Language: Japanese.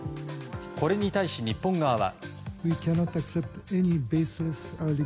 これに対し、日本側は。